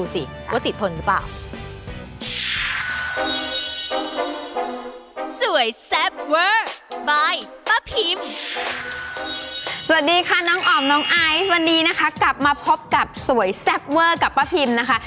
สวัสดีค่ะน้องออมน้องไอซ์วันนี้นะคะกลับมาพบกับสวยแซ่บเวอร์กับป้าพิมนะคะ